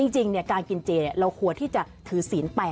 จริงการกินเจเราควรที่จะถือศีลไป